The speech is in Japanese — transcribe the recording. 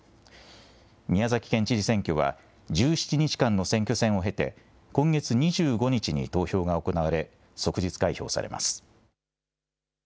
宮崎県知事選挙は１７日間の選挙戦を経て今月２５日に投票が行われ即日開票されます。